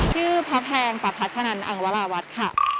ชื่อพระแพงประพัชนันอังวราวัฒน์ค่ะ